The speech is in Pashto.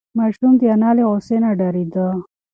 ماشوم د انا له غوسې نه ډارېده.